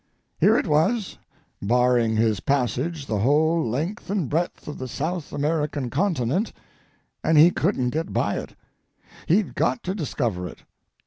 Here it was, barring his passage the whole length and breadth of the South American continent, and he couldn't get by it. He'd got to discover it.